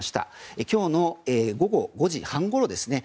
今日の午後５時半ごろですね